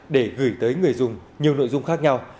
để gửi tới người dùng nhiều nội dung khác nhau